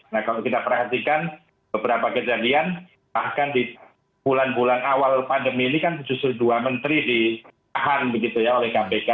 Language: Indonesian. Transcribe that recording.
nah kalau kita perhatikan beberapa kejadian bahkan di bulan bulan awal pandemi ini kan justru dua menteri ditahan begitu ya oleh kpk